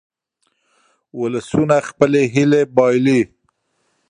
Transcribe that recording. ولسونه خپلې هیلې بایلي.